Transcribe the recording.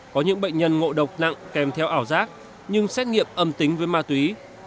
có những bệnh nhân ngộ độc nặng kèm theo ảo giác nhưng xét nghiệm âm tính với ma túy